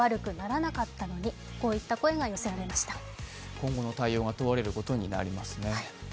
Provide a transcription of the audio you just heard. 今後の対応が問われることになりますね。